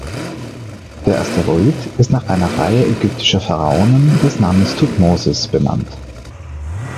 Der Asteroid ist nach einer Reihe ägyptischer Pharaonen des Namens Thutmosis benannt.